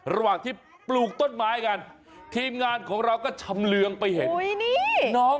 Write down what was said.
ระหว่างที่ปลูกต้นไม้กันทีมงานของเราก็ชำเรืองไปเห็นน้อง